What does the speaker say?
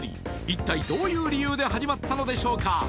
一体どういう理由で始まったのでしょうか